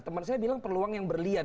teman saya bilang peluang yang berlian